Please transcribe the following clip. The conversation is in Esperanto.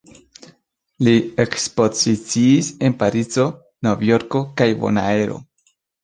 Li ekspoziciis en Parizo, Novjorko kaj Bonaero.